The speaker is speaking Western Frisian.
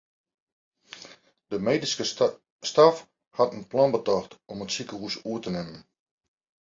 De medyske stêf hat in plan betocht om it sikehûs oer te nimmen.